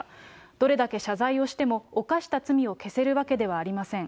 どれだけ謝罪をしても、犯した罪を消せるわけではありません。